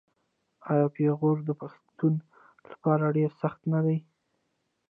آیا پېغور د پښتون لپاره ډیر سخت نه دی؟